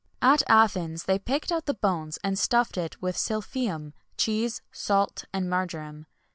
[XXI 137] At Athens, they picked out the bones and stuffed it with silphium, cheese, salt, and marjoram.